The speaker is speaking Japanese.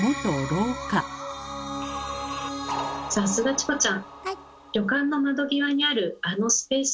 さすがチコちゃん。